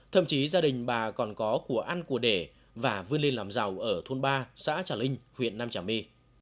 thậm chí gia đình bà còn có của ăn của để và vươn lên làm giàu ở thôn ba xã trà linh huyện nam trà my